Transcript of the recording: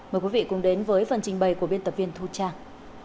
mời quý vị cùng đến với phần trình bày của biên tập viên thu trang